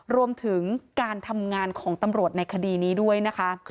รวมถึงการทำงานของตำรวจในคดีนี้ด้วยนะคะ